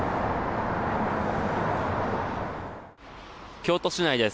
京都市内です。